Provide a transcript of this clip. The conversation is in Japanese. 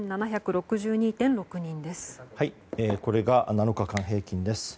これが、７日間平均です。